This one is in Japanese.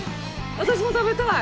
私も食べたい！